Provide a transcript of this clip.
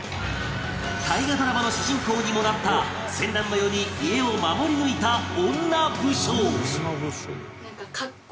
大河ドラマの主人公にもなった戦乱の世に家を守り抜いた女武将